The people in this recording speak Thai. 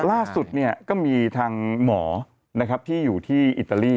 ล่าสุดก็มีทางหมอนะครับที่อยู่ที่อิตาลี